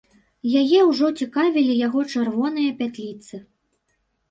Яе ўжо цікавілі яго чырвоныя пятліцы.